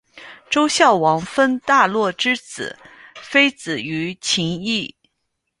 周孝王封大骆之子非子于秦邑。